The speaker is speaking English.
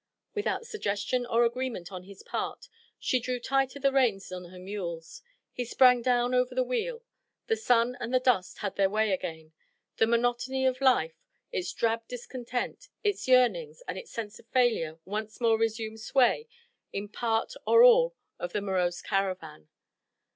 Without suggestion or agreement on his part she drew tighter the reins on her mules. He sprang down over the wheel. The sun and the dust had their way again; the monotony of life, its drab discontent, its yearnings and its sense of failure once more resumed sway in part or all of the morose caravan.